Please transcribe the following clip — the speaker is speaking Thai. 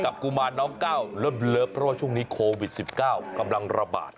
กุมารน้องก้าวเริ่มเลิฟเพราะว่าช่วงนี้โควิด๑๙กำลังระบาด